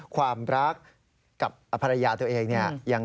ความรักกับภรรยาตัวเอง